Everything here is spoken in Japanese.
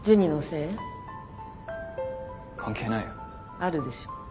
あるでしょ。